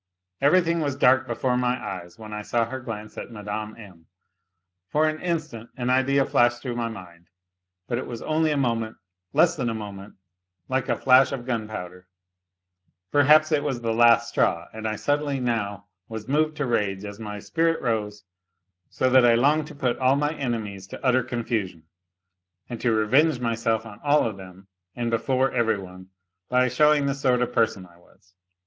Everything was dark before my eyes when 1 saw her glance at Mme. M. For an instant an idea flashed through my mind ... but it was only a moment, less than a moment, like a flash of gunpowder; perhaps it was the last straw, and I suddenly now was moved to rage as my spirit rose, so that I longed to put all my enemies to utter con fusion, and to revenge myself on all of them and before every one, by showing the sort of person I was.